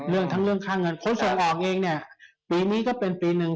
เรื่องทั้งเรื่องค่าเงินคนส่งออกเองเนี่ยปีนี้ก็เป็นปีหนึ่ง